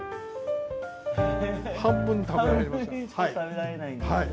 半分食べられません。